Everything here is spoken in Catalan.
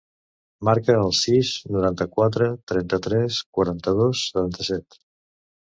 Marca el sis, noranta-quatre, trenta-tres, quaranta-dos, setanta-set.